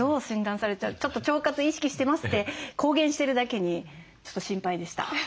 ちょっと「腸活意識してます」って公言してるだけにちょっと心配でした。